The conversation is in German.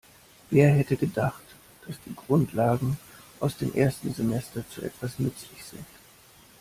Wer hätte gedacht, dass die Grundlagen aus dem ersten Semester zu etwas nützlich sind?